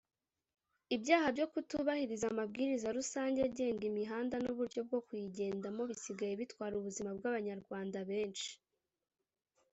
ibyaha byo kutubahiriza amabwiriza rusange agenga imihanda n’uburyo bwo kuyigendamo bisigaye bitwara ubuzima bw’abanyarwanda benshi